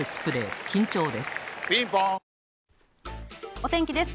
お天気です。